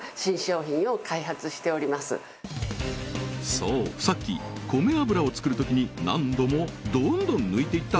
そうさっきこめ油をつくるときに何度もどんどん抜いていった